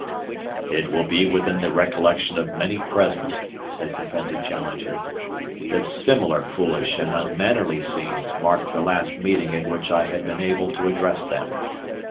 "'It will be within the recollection of many present,' said Professor Challenger, 'that similar foolish and unmannerly scenes marked the last meeting at which I have been able to address them.